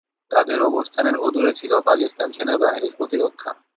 তাদের অবস্থানের অদূরে ছিল পাকিস্তান সেনাবাহিনীর প্রতিরক্ষা।